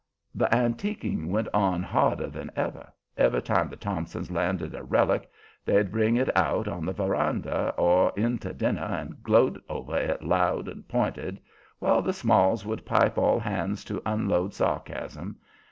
The "antiquing" went on harder than ever. Every time the Thompsons landed a relic, they'd bring it out on the veranda or in to dinner and gloat over it loud and pointed, while the Smalls would pipe all hands to unload sarcasm.